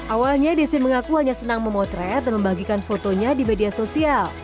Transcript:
awalnya desi mengaku hanya senang memotret dan membagikan fotonya di media sosial